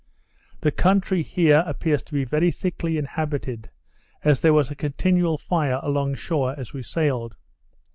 The country here appears to be very thickly inhabited, as there was a continual fire along shore as we sailed.